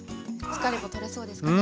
疲れも取れそうですかね。